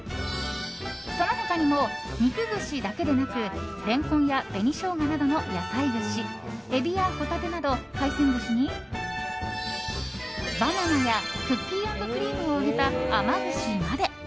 その他にも、肉串だけでなくレンコンや紅しょうがなどの野菜串エビやホタテなど海鮮串にバナナやクッキー＆クリームを揚げた甘串まで。